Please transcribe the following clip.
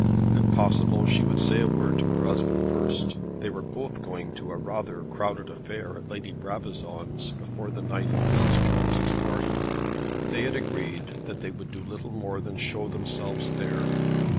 If possible she would say a word to her husband first. They were both going to a rather crowded affair at Lady Brabazon's before the night of Mrs. Jones's party. They had agreed that they would do little more than shew themselves there.